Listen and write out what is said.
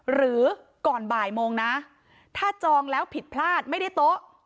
หรือก่อนบ่ายโมงนะถ้าจองแล้วผิดพลาดไม่ได้โต๊ะ